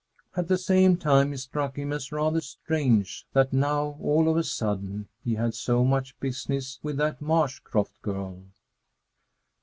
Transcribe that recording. At the same time it struck him as rather strange that now, all of a sudden, he had so much business with that marsh croft girl!